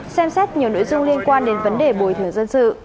xem xét nhiều nội dung liên quan đến vấn đề bồi thường dân sự